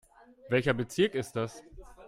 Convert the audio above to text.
Welcher Bezirk ist das?